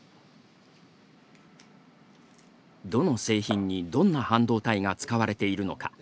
どの製品にどんな半導体が使われているのか。